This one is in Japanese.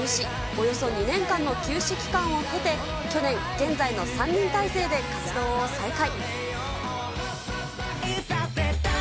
およそ２年間の休止期間を経て、去年、現在の３人体制で活動を再開。